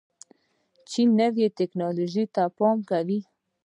چین نوې انرژۍ ته پام کوي.